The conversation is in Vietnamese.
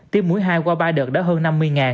tiêm mũi hai qua ba đợt đã hơn năm mươi